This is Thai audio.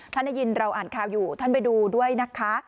ท่านได้ยินเราอ่านข่าวอยู่ท่านไปดูด้วยนะคะ